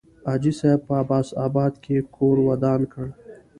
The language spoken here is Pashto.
حاجي صاحب په عباس آباد کې کور ودان کړ.